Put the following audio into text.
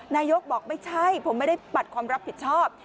นายกบอกไม่ใช่ผมไม่ได้ปัดความรับผิดชอบ